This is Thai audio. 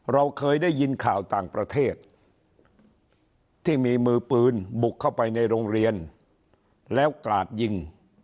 เราเคยได้ยินข่าวต่างประเทศที่มีมือปืนบุกเข้าไปในโรงเรียนแล้วกราดยิง